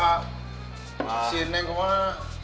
kak kak si neng kemana